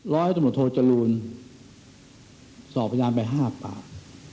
ร้อยสมโทษจรูลสอบพระนามไปห้าป่าว